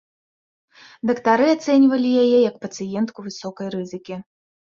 Дактары ацэньвалі яе як пацыентку высокай рызыкі.